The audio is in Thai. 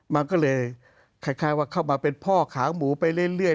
มันก็เลยคล้ายว่าเข้ามาเป็นพ่อขางหมูไปเรื่อย